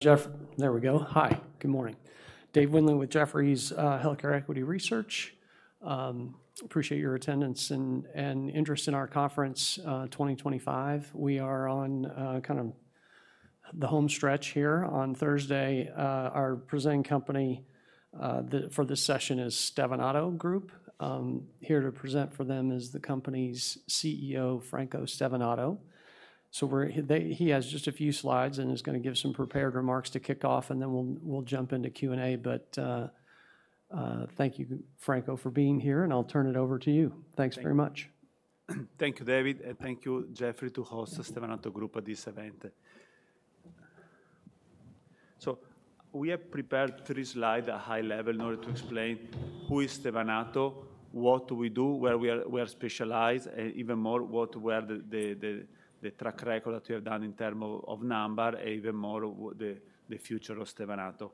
There we go. Hi, good morning. Dave Windley with Jefferies' Healthcare Equity Research. Appreciate your attendance and interest in our conference 2025. We are on kind of the home stretch here on Thursday. Our presenting company for this session is Stevanato Group. Here to present for them is the company's CEO, Franco Stevanato. He has just a few slides and is going to give some prepared remarks to kick off, and then we'll jump into Q&A. Thank you, Franco, for being here, and I'll turn it over to you. Thanks very much. Thank you, David, and thank you, Jefferies, to host the Stevanato Group at this event. We have prepared three slides at a high level in order to explain who is Stevanato, what do we do, where we are specialized, and even more, what were the track record that we have done in terms of number, and even more, the future of Stevanato.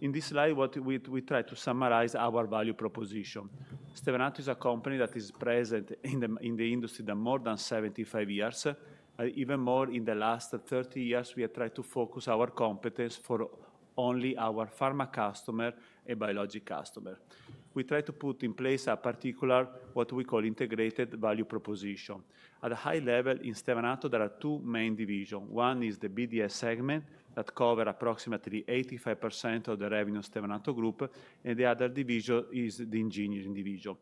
In this slide, we try to summarize our value proposition. Stevanato is a company that is present in the industry for more than 75 years. Even more, in the last 30 years, we have tried to focus our competence for only our pharma customer and biology customer. We try to put in place a particular, what we call integrated value proposition. At a high level, in Stevanato, there are two main divisions. One is the BDS segment that covers approximately 85% of the revenue of Stevanato Group, and the other division is the engineering division.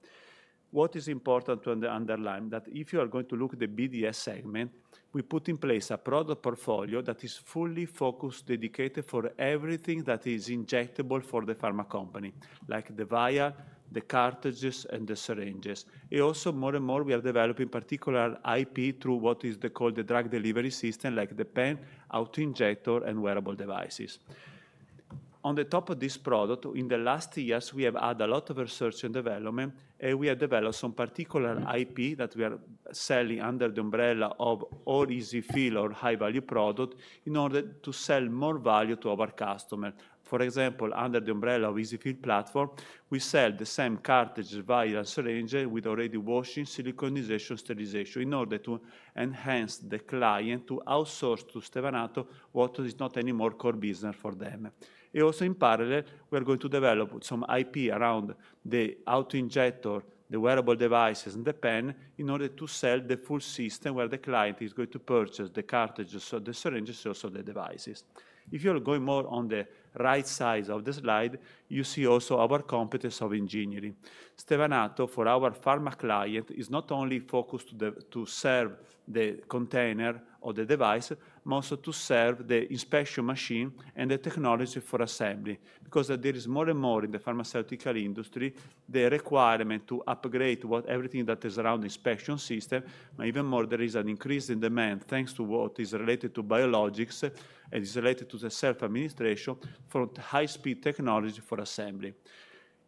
What is important to underline is that if you are going to look at the BDS segment, we put in place a product portfolio that is fully focused, dedicated for everything that is injectable for the pharma company, like the vial, the cartridges, and the syringes. Also, more and more, we are developing particular IP through what is called the drug delivery system, like the pen, auto injector, and wearable devices. On the top of this product, in the last years, we have had a lot of research and development, and we have developed some particular IP that we are selling under the umbrella of all EZ-fill or high-value product in order to sell more value to our customers. For example, under the umbrella of the EZ-fill platform, we sell the same cartridge, vial, syringe with already washing, siliconization, sterilization in order to enhance the client to outsource to Stevanato what is not anymore core business for them. Also, in parallel, we are going to develop some IP around the auto injector, the wearable devices, and the pen in order to sell the full system where the client is going to purchase the cartridges, the syringes, and also the devices. If you're going more on the right side of the slide, you see also our competence of engineering. Stevanato, for our pharma client, is not only focused to serve the container or the device, but also to serve the inspection machine and the technology for assembly. Because there is more and more in the pharmaceutical industry, the requirement to upgrade everything that is around the inspection system, even more, there is an increase in demand thanks to what is related to biologics and is related to the self-administration for high-speed technology for assembly.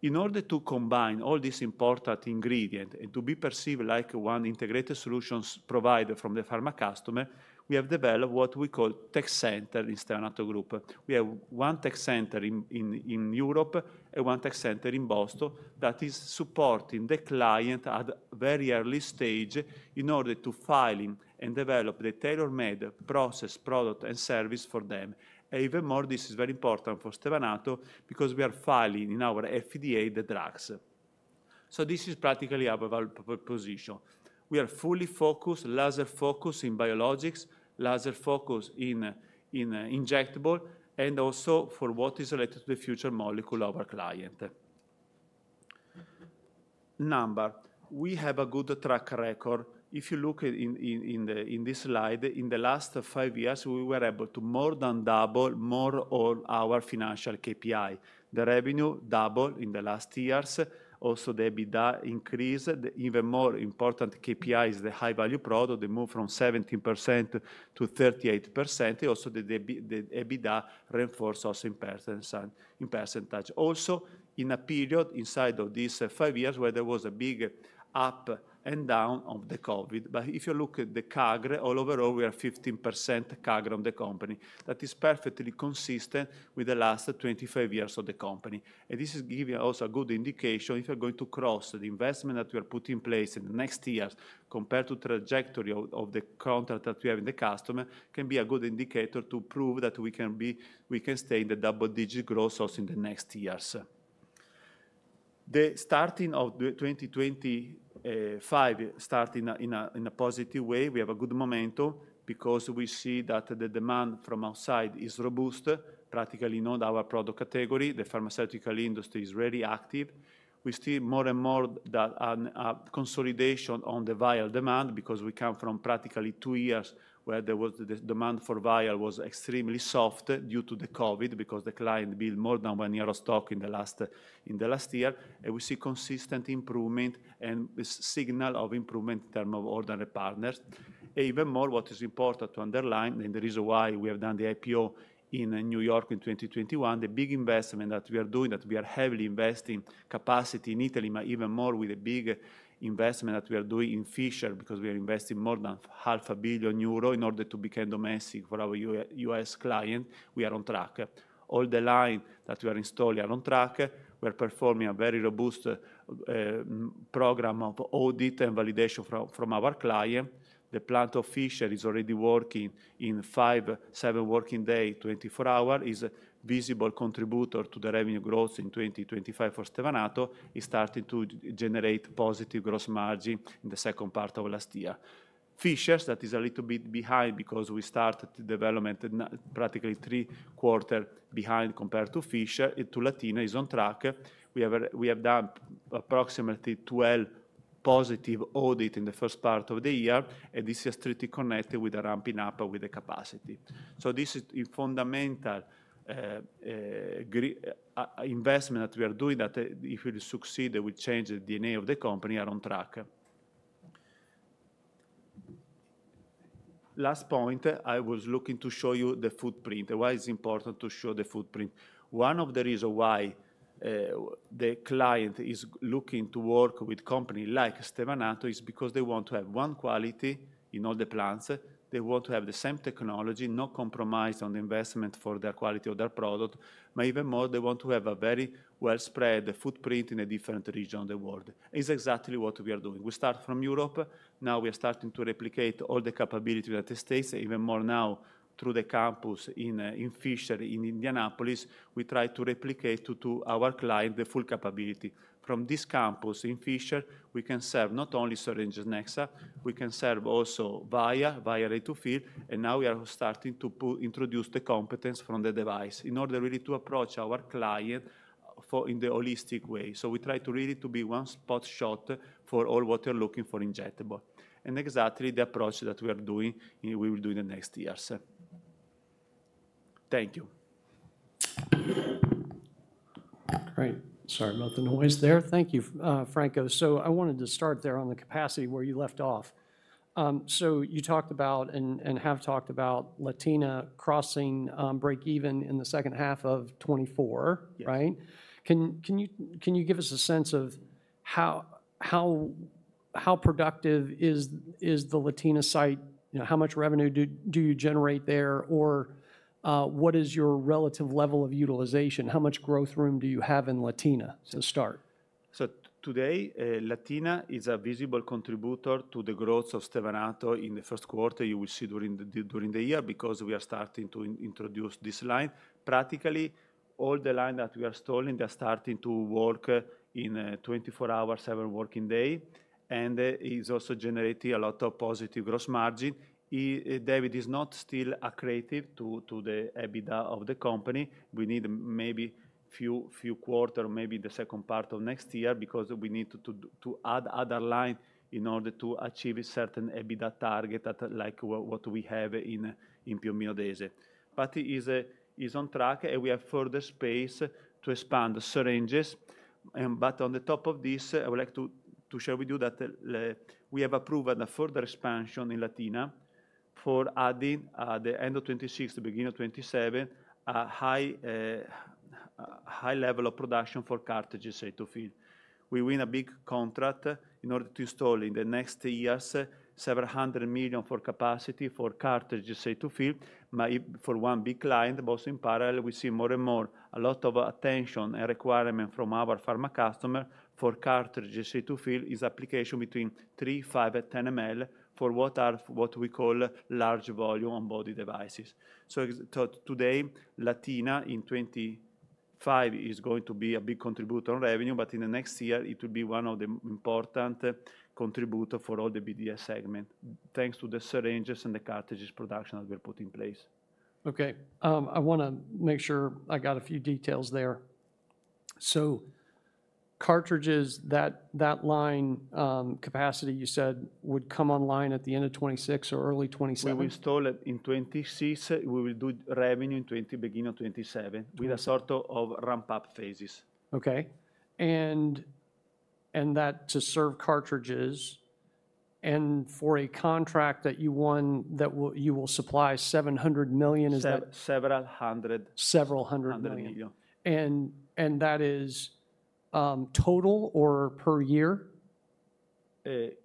In order to combine all these important ingredients and to be perceived like one integrated solution provided from the pharma customer, we have developed what we call tech center in Stevanato Group. We have one tech center in Europe and one tech center in Boston that is supporting the client at a very early stage in order to file and develop the tailor-made process, product, and service for them. This is very important for Stevanato because we are filing in our FDA the drugs. This is practically our value proposition. We are fully focused, laser focused in biologics, laser focused in injectable, and also for what is related to the future molecule of our client. Number, we have a good track record. If you look at this slide, in the last five years, we were able to more than double more of our financial KPI. The revenue doubled in the last years. Also, the EBITDA increased. Even more important KPI is the high-value product. They moved from 17% to 38%. Also, the EBITDA reinforced also in percentage. Also, in a period inside of these five years where there was a big up and down of the COVID. If you look at the CAGR, all overall, we are 15% CAGR on the company. That is perfectly consistent with the last 25 years of the company. This is giving us a good indication if you're going to cross the investment that we are putting in place in the next years compared to the trajectory of the contract that we have in the customer can be a good indicator to prove that we can stay in the double-digit growth also in the next years. The starting of 2025, starting in a positive way, we have a good momentum because we see that the demand from outside is robust, practically not our product category. The pharmaceutical industry is really active. We see more and more consolidation on the vial demand because we come from practically two years where the demand for vial was extremely soft due to the COVID because the client built more than one year of stock in the last year. We see consistent improvement and signal of improvement in terms of ordinary partners. What is important to underline and the reason why we have done the IPO in New York in 2021, the big investment that we are doing, that we are heavily investing capacity in Italy, but even more with a big investment that we are doing in Fishers because we are investing more than 500,000,000 euro in order to become domestic for our U.S. client, we are on track. All the lines that we are installing are on track. We are performing a very robust program of audit and validation from our client. The plant of Fishers is already working in five-seven working days, 24 hours, is a visible contributor to the revenue growth in 2025 for Stevanato. It is starting to generate positive gross margin in the second part of last year. Fishers, that is a little bit behind because we started development practically three quarters behind compared to Fishers. Latina is on track. We have done approximately 12 positive audits in the first part of the year, and this is strictly connected with the ramping up with the capacity. This is fundamental investment that we are doing that if we succeed, we change the DNA of the company, are on track. Last point, I was looking to show you the footprint. Why is it important to show the footprint? One of the reasons why the client is looking to work with a company like Stevanato is because they want to have one quality in all the plants. They want to have the same technology, not compromise on the investment for the quality of their product. Even more, they want to have a very well-spread footprint in a different region of the world. It's exactly what we are doing. We start from Europe. Now we are starting to replicate all the capabilities of the States, even more now through the campus in Fishers in Indianapolis. We try to replicate to our client the full capability. From this campus in Fishers, we can serve not only syringes, Nexa, we can serve also vial, vial-to-fill, and now we are starting to introduce the competence from the device in order really to approach our client in the holistic way. We try to really to be one spot shot for all what we are looking for injectable. Exactly the approach that we are doing, we will do in the next years. Thank you. Great. Sorry about the noise there. Thank you, Franco. I wanted to start there on the capacity where you left off. You talked about and have talked about Latina crossing break-even in the second half of 2024, right? Can you give us a sense of how productive is the Latina site? How much revenue do you generate there? Or what is your relative level of utilization? How much growth room do you have in Latina to start? Today, Latina is a visible contributor to the growth of Stevanato in the first quarter. You will see during the year because we are starting to introduce this line. Practically, all the lines that we are installing, they are starting to work in 24 hours, seven working days, and it is also generating a lot of positive gross margin. David, it's not still accredited to the EBITDA of the company. We need maybe a few quarters, maybe the second part of next year because we need to add other lines in order to achieve a certain EBITDA target like what we have in Piombino Dese. It is on track, and we have further space to expand the syringes. On top of this, I would like to share with you that we have approved a further expansion in Latina for adding at the end of 2026, beginning of 2027, a high level of production for cartridges-to-fill. We win a big contract in order to install in the next years several hundred million for capacity for cartridges-to-fill for one big client. Also in parallel, we see more and more a lot of attention and requirement from our pharma customer for cartridges-to-fill is application between 3 ml, 5 ml, and 10 ml for what we call large volume on body devices. Today, Latina in 2025 is going to be a big contributor on revenue, but in the next year, it will be one of the important contributors for all the BDS segment thanks to the syringes and the cartridges production that we're putting in place. Okay. I want to make sure I got a few details there. So cartridges, that line capacity you said would come online at the end of 2026 or early 2027? We will install it in 2026. We will do revenue in 2027, beginning of 2027 with a sort of ramp-up phases. Okay. And that to serve cartridges and for a contract that you won that you will supply 700 million, is that? Several hundred. Several hundred million. Is that total or per year? It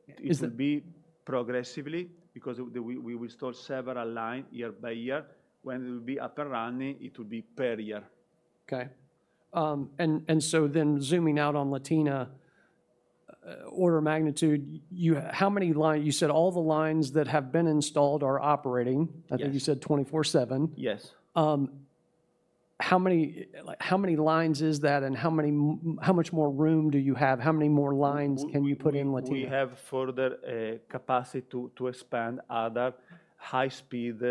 will be progressively because we will install several lines year by year. When it will be up and running, it will be per year. Okay. And so then zooming out on Latina, order of magnitude, how many lines, you said all the lines that have been installed are operating. I think you said 24/7. Yes. How many lines is that and how much more room do you have? How many more lines can you put in Latina? We have further capacity to expand other high-speed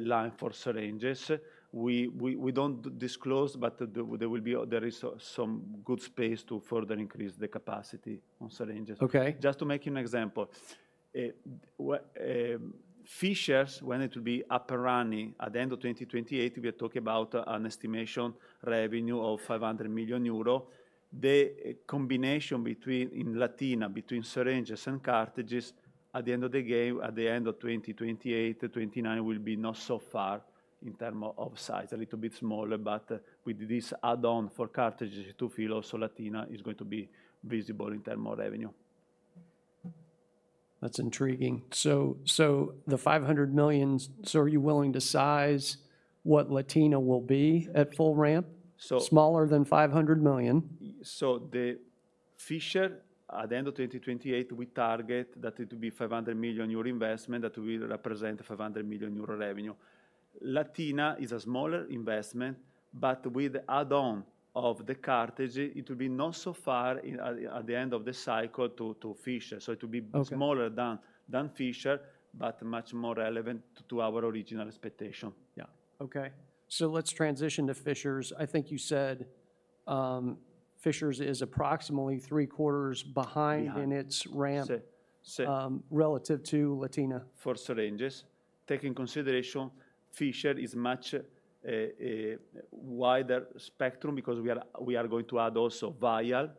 lines for syringes. We don't disclose, but there is some good space to further increase the capacity on syringes. Just to make you an example, Fishers, when it will be up and running at the end of 2028, we are talking about an estimation revenue of 500 million euro. The combination in Latina between syringes and cartridges at the end of the game, at the end of 2028-2029, will be not so far in terms of size, a little bit smaller, but with this add-on for cartridges-to-fill, also Latina is going to be visible in terms of revenue. That's intriguing. The 500 million, are you willing to size what Latina will be at full ramp? Smaller than 500 million? Fisher, at the end of 2028, we target that it will be 500 million euro investment that will represent 500 million euro revenue. Latina is a smaller investment, but with the add-on of the cartridge, it will be not so far at the end of the cycle to Fisher. It will be smaller than Fisher, but much more relevant to our original expectation. Yeah. Okay. So let's transition to Fishers. I think you said Fishers is approximately three quarters behind in its ramp relative to Latina. For syringes. Taking consideration, Fishers is much wider spectrum because we are going to add also vial,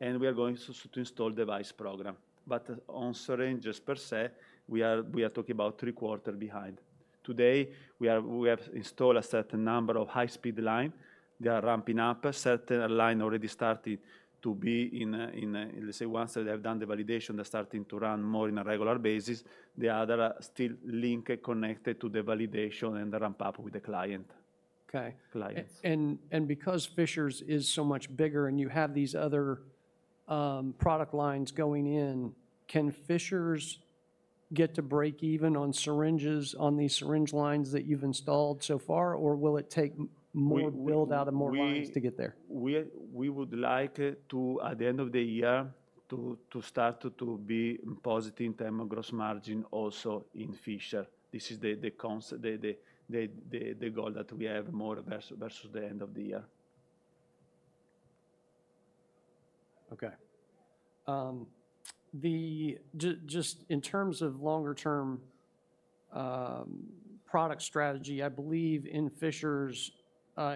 and we are going to install device program. On syringes per se, we are talking about three quarters behind. Today, we have installed a certain number of high-speed lines. They are ramping up. Certain lines already started to be in, let's say, once they have done the validation, they're starting to run more on a regular basis. The others are still linked, connected to the validation and the ramp-up with the client. Okay. Because Fishers is so much bigger and you have these other product lines going in, can Fishers get to break even on syringes on these syringe lines that you've installed so far, or will it take more build out of more lines to get there? We would like to, at the end of the year, to start to be in positive terms of gross margin also in Fishers. This is the goal that we have more versus the end of the year. Okay. Just in terms of longer-term product strategy, I believe in Fishers,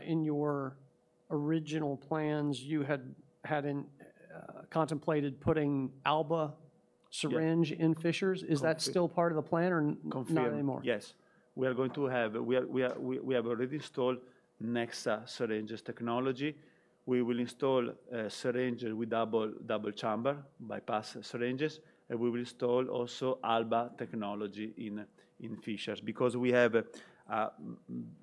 in your original plans, you had contemplated putting Alba syringe in Fishers. Is that still part of the plan or not anymore? Yes. We are going to have, we have already installed Nexa syringes technology. We will install syringes with double chamber bypass syringes, and we will install also Alba technology in Fishers because we have a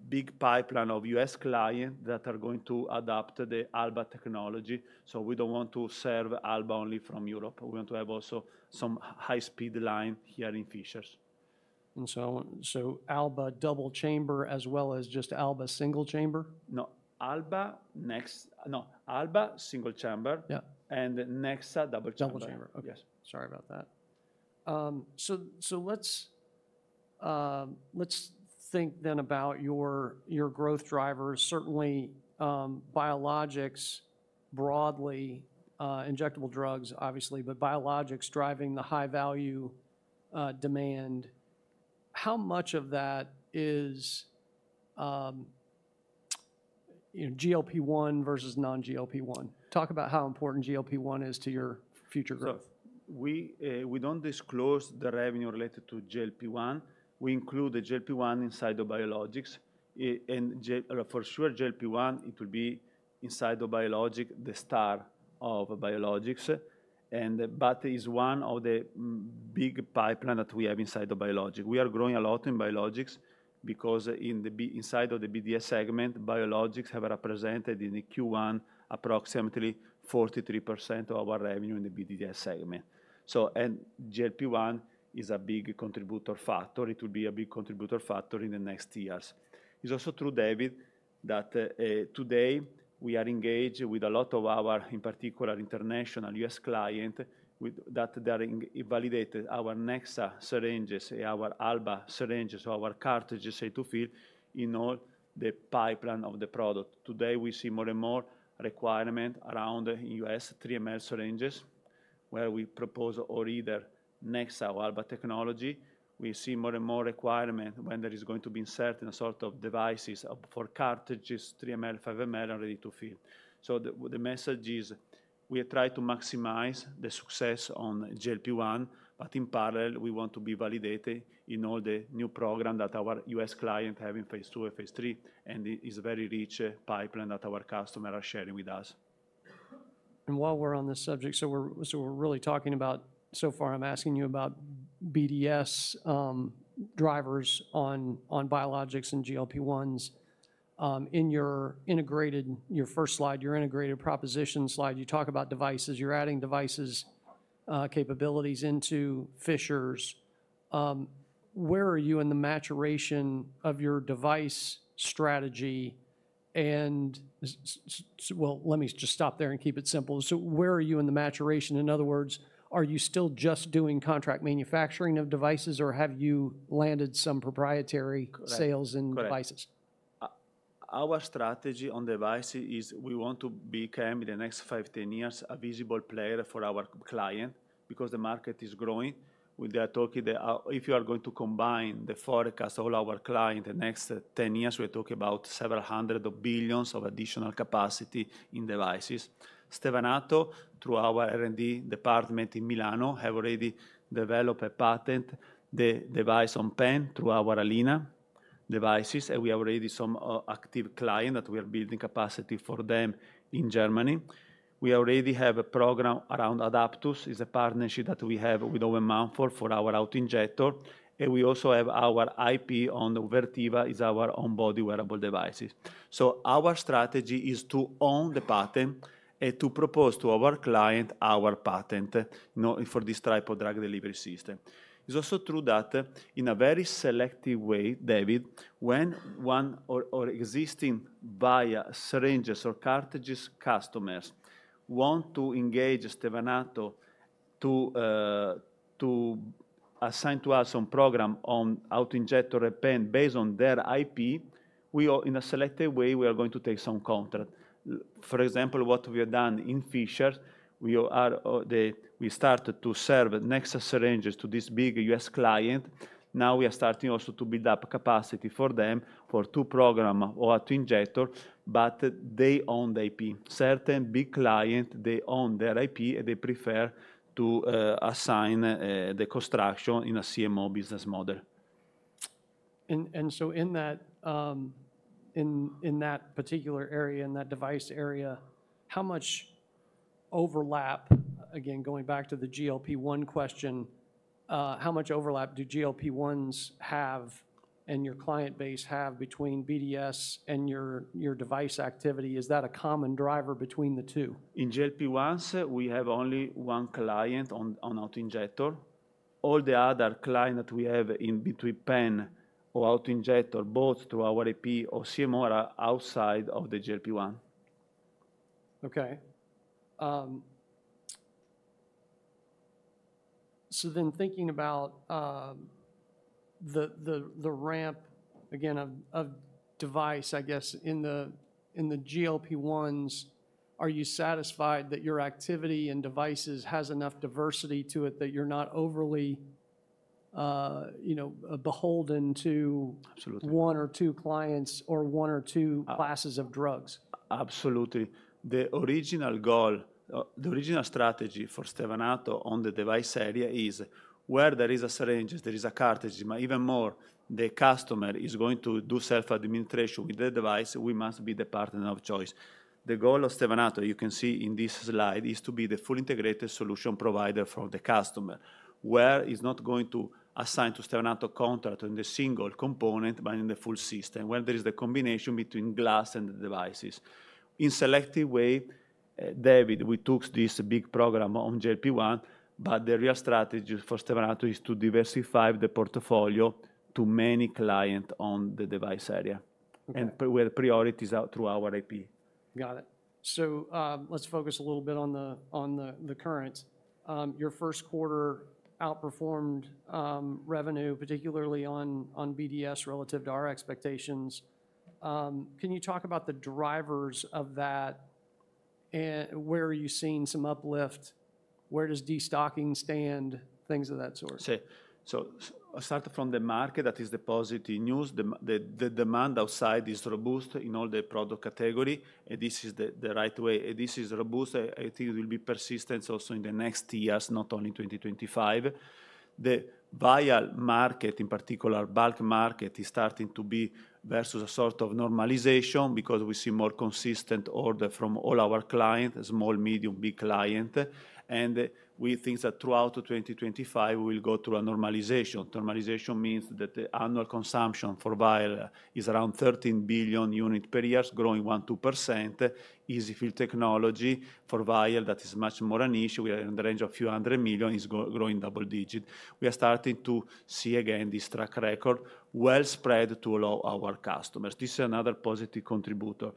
big pipeline of U.S. clients that are going to adopt the Alba technology. We do not want to serve Alba only from Europe. We want to have also some high-speed line here in Fishers. Alba double chamber as well as just Alba single chamber? No. Alba single chamber and Nexa double chamber. Double chamber. Okay. Sorry about that. Let's think then about your growth drivers. Certainly, biologics broadly, injectable drugs, obviously, but biologics driving the high-value demand. How much of that is GLP-1 versus non-GLP-1? Talk about how important GLP-1 is to your future growth. We do not disclose the revenue related to GLP-1. We include the GLP-1 inside of biologics. For sure, GLP-1 will be inside of biologics, the star of biologics. It is one of the big pipelines that we have inside of biologics. We are growing a lot in biologics because inside of the BDS segment, biologics have represented in Q1 approximately 43% of our revenue in the BDS segment. GLP-1 is a big contributor factor. It will be a big contributor factor in the next years. It is also true, David, that today we are engaged with a lot of our, in particular, international U.S. clients that are validating our Nexa syringes, our Alba syringes, our cartridges-to-fill in all the pipeline of the product. Today, we see more and more requirement around U.S. 3 ml syringes where we propose either Nexa or Alba technology. We see more and more requirement when there is going to be certain sort of devices for cartridges 3 ml, 5 ml and ready-to-fill. The message is we try to maximize the success on GLP-1, but in parallel, we want to be validated in all the new programs that our U.S. clients have in phase II and phase III, and it is a very rich pipeline that our customers are sharing with us. While we're on this subject, so we're really talking about so far, I'm asking you about BDS drivers on biologics and GLP-1s. In your first slide, your integrated proposition slide, you talk about devices. You're adding devices capabilities into Fishers. Where are you in the maturation of your device strategy? Let me just stop there and keep it simple. Where are you in the maturation? In other words, are you still just doing contract manufacturing of devices, or have you landed some proprietary sales and devices? Our strategy on devices is we want to become in the next five, 10 years a visible player for our client because the market is growing. We are talking that if you are going to combine the forecast of our client in the next 10 years, we're talking about several hundred billion of additional capacity in devices. Stevanato, through our R&D department in Milano, have already developed a patent, the device on pen through our Alina devices, and we have already some active clients that we are building capacity for them in Germany. We already have a program around Aidaptus. It's a partnership that we have with Owen Mumford for our auto injector. We also have our IP on the Vertiva, is our on-body wearable devices. Our strategy is to own the patent and to propose to our client our patent for this type of drug delivery system. It's also true that in a very selective way, David, when one or existing via syringes or cartridges customers want to engage Stevanato to assign to us some program on auto injector or pen based on their IP, in a selective way, we are going to take some contract. For example, what we have done in Fishers, we started to serve Nexa syringes to this big U.S. client. Now we are starting also to build up capacity for them for two programs or auto injector, but they own the IP. Certain big clients, they own their IP, and they prefer to assign the construction in a CMO business model. In that particular area, in that device area, how much overlap, again, going back to the GLP-1 question, how much overlap do GLP-1s have and your client base have between BDS and your device activity? Is that a common driver between the two? In GLP-1s, we have only one client on auto injector. All the other clients that we have in between pen or auto injector, both through our IP or CMO, are outside of the GLP-1. Okay. So then thinking about the ramp, again, of device, I guess, in the GLP-1s, are you satisfied that your activity and devices has enough diversity to it that you're not overly beholden to one or two clients or one or two classes of drugs? Absolutely. The original goal, the original strategy for Stevanato on the device area is where there are syringes, there are cartridges, even more, the customer is going to do self-administration with the device, we must be the partner of choice. The goal of Stevanato, you can see in this slide, is to be the full integrated solution provider for the customer where it's not going to assign to Stevanato contract in the single component, but in the full system when there is the combination between glass and the devices. In a selective way, David, we took this big program on GLP-1, but the real strategy for Stevanato is to diversify the portfolio to many clients on the device area and with priorities through our IP. Got it. Let's focus a little bit on the current. Your first quarter outperformed revenue, particularly on BDS relative to our expectations. Can you talk about the drivers of that? Where are you seeing some uplift? Where does destocking stand? Things of that sort. Starting from the market, that is the positive news. The demand outside is robust in all the product category, and this is the right way. This is robust. I think it will be persistent also in the next years, not only 2025. The vial market, in particular, bulk market is starting to be versus a sort of normalization because we see more consistent order from all our clients, small, medium, big clients. We think that throughout 2025, we will go through a normalization. Normalization means that the annual consumption for vial is around 13 billion units per year, growing 1%-2%. EZ-fill technology for vial that is much more niche. We are in the range of a few hundred million. It's growing double digit. We are starting to see again this track record well spread to all our customers. This is another positive contributor.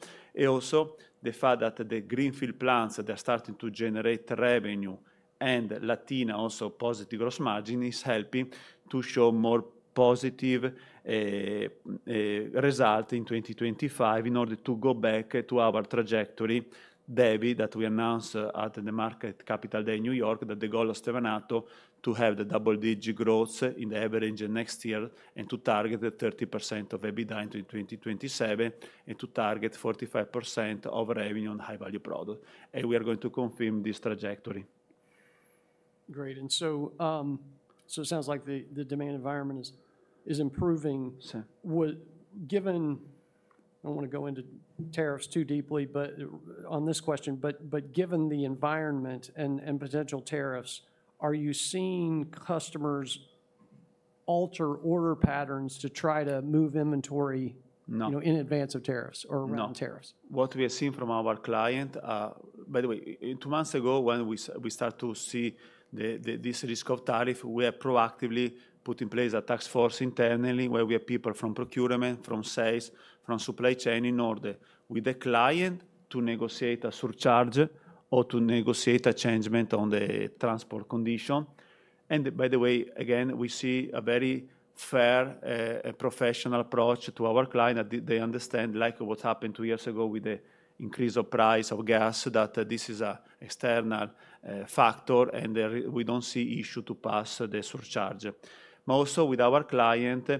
The fact that the greenfield plants that are starting to generate revenue and Latina also positive gross margin is helping to show more positive results in 2025 in order to go back to our trajectory, David, that we announced at the Market Capital Day in New York that the goal of Stevanato is to have the double-digit growth in the average next year and to target 30% of EBITDA in 2027 and to target 45% of revenue on high-value products. We are going to confirm this trajectory. Great. It sounds like the demand environment is improving. Given I do not want to go into tariffs too deeply on this question, but given the environment and potential tariffs, are you seeing customers alter order patterns to try to move inventory in advance of tariffs or around tariffs? No. What we have seen from our client, by the way, two months ago when we start to see this risk of tariff, we have proactively put in place a task force internally where we have people from procurement, from sales, from supply chain in order with the client to negotiate a surcharge or to negotiate a changement on the transport condition. By the way, again, we see a very fair professional approach to our client that they understand, like what happened two years ago with the increase of price of gas, that this is an external factor and we do not see issue to pass the surcharge. Also with our client,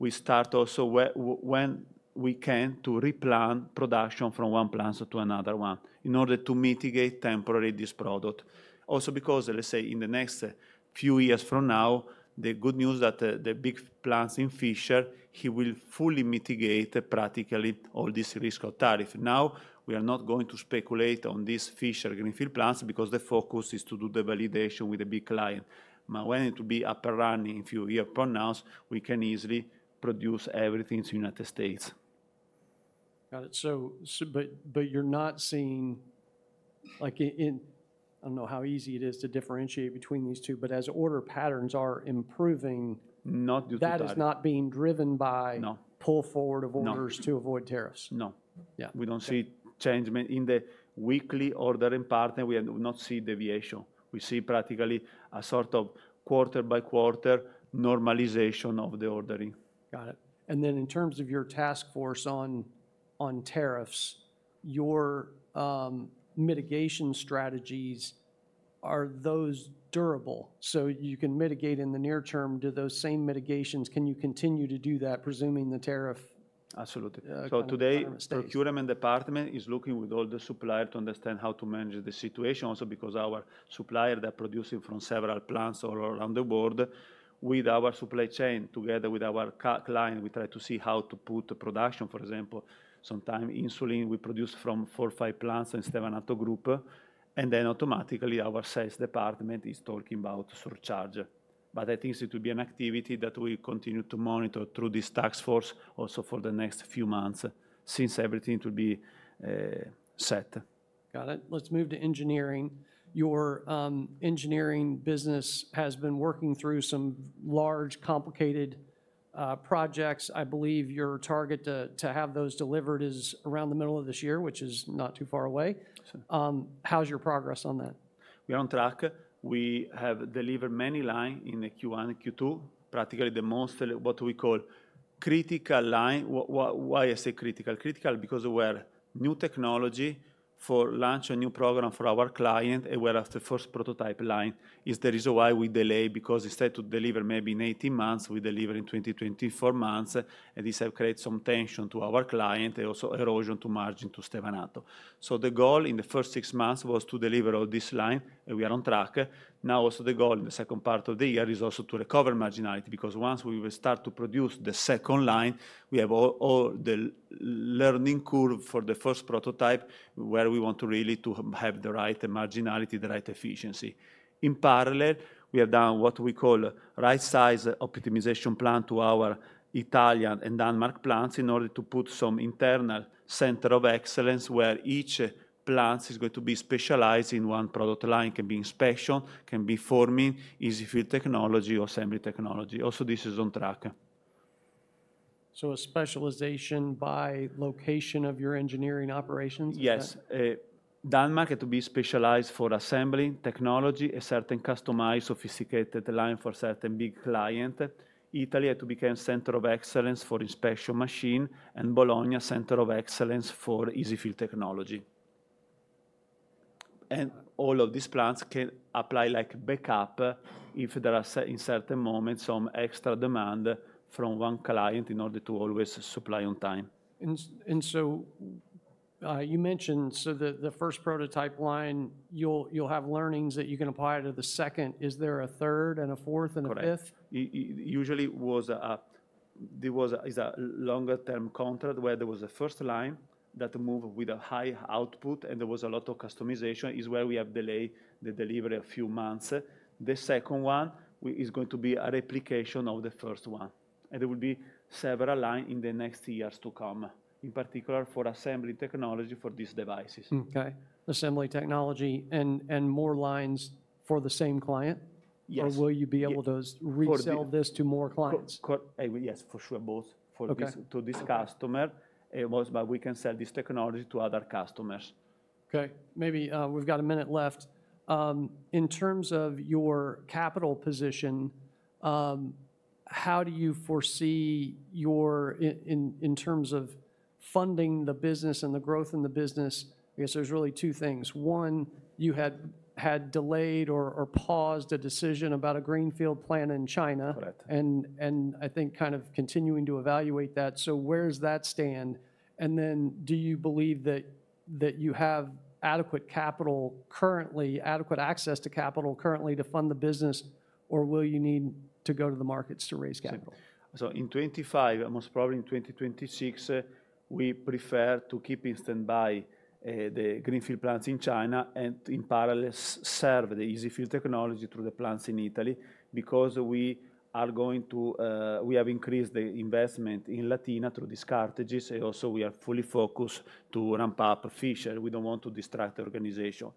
we start also when we can to replan production from one plant to another one in order to mitigate temporarily this product. Also because, let's say, in the next few years from now, the good news that the big plants in Fishers, it will fully mitigate practically all this risk of tariff. Now we are not going to speculate on these Fishers greenfield plants because the focus is to do the validation with a big client. When it will be up and running in a few years, pronounced, we can easily produce everything in the United States. Got it. You're not seeing, I don't know how easy it is to differentiate between these two, but as order patterns are improving, that is not being driven by pull forward of orders to avoid tariffs. No. Yeah. We do not see changement in the weekly ordering pattern. We do not see deviation. We see practically a sort of quarter-by-quarter normalization of the ordering. Got it. In terms of your task force on tariffs, your mitigation strategies, are those durable? You can mitigate in the near term. Do those same mitigations, can you continue to do that, presuming the tariff? Absolutely. Today, the procurement department is looking with all the suppliers to understand how to manage the situation, also because our supplier produces from several plants all around the world. With our supply chain, together with our client, we try to see how to put the production. For example, sometimes insulin we produce from four or five plants in Stevanato Group. Automatically, our sales department is talking about surcharge. I think it will be an activity that we continue to monitor through this task force also for the next few months since everything will be set. Got it. Let's move to engineering. Your engineering business has been working through some large, complicated projects. I believe your target to have those delivered is around the middle of this year, which is not too far away. How's your progress on that? We are on track. We have delivered many lines in Q1 and Q2, practically the most what we call critical line. Why I say critical? Critical because we're new technology for launch a new program for our client and we're at the first prototype line. It's the reason why we delay because instead to deliver maybe in 18 months, we deliver in 24 months. This has created some tension to our client and also erosion to margin to Stevanato. The goal in the first six months was to deliver all this line. We are on track. Now the goal in the second part of the year is also to recover marginality because once we start to produce the second line, we have all the learning curve for the first prototype where we want to really have the right marginality, the right efficiency. In parallel, we have done what we call right-sized optimization plan to our Italian and Denmark plants in order to put some internal center of excellence where each plant is going to be specialized in one product line, can be inspection, can be forming, EZ-fill technology, or assembly technology. Also, this is on track. A specialization by location of your engineering operations? Yes. Denmark had to be specialized for assembly technology, a certain customized sophisticated line for certain big client. Italy had to become center of excellence for inspection machine, and Bologna center of excellence for EZ-fill technology. All of these plants can apply like backup if there are in certain moments some extra demand from one client in order to always supply on time. You mentioned so the first prototype line, you'll have learnings that you can apply to the second. Is there a third and a fourth and a fifth? Correct. Usually there was a longer-term contract where there was a first line that moved with a high output, and there was a lot of customization is where we have delayed the delivery a few months. The second one is going to be a replication of the first one. There will be several lines in the next years to come, in particular for assembly technology for these devices. Okay. Assembly technology and more lines for the same client? Yes. Will you be able to resell this to more clients? Yes, for sure. Both for this customer. We can sell this technology to other customers. Okay. Maybe we've got a minute left. In terms of your capital position, how do you foresee your in terms of funding the business and the growth in the business? I guess there's really two things. One, you had delayed or paused a decision about a greenfield plant in China. I think kind of continuing to evaluate that. Where does that stand? Do you believe that you have adequate capital currently, adequate access to capital currently to fund the business, or will you need to go to the markets to raise capital? In 2025, most probably in 2026, we prefer to keep in standby the greenfield plants in China and in parallel serve the EZ-fill technology through the plants in Italy because we are going to, we have increased the investment in Latina through these cartridges. Also, we are fully focused to ramp up Fishers. We do not want to distract the organization.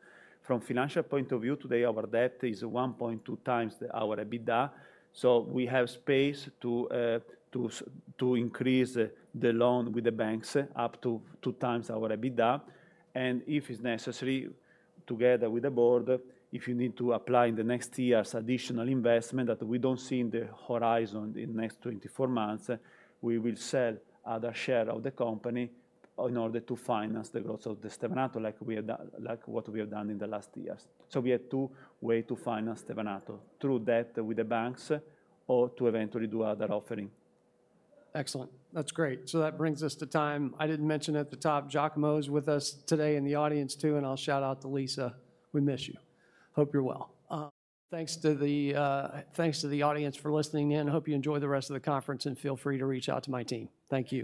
From a financial point of view, today our debt is 1.2x our EBITDA. We have space to increase the loan with the banks up to 2x our EBITDA. If it is necessary, together with the board, if you need to apply in the next years additional investment that we do not see in the horizon in the next 24 months, we will sell other share of the company in order to finance the growth of Stevanato like what we have done in the last years. We have two ways to finance Stevanato: through debt with the banks or to eventually do other offering. Excellent. That's great. That brings us to time. I did not mention at the top, Giacomo is with us today in the audience too, and I'll shout out to Lisa. We miss you. Hope you're well. Thanks to the audience for listening in. Hope you enjoy the rest of the conference and feel free to reach out to my team. Thank you.